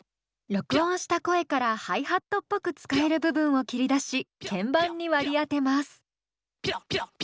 録音した声からハイハットっぽく使える部分を切り出し鍵盤に割り当てます。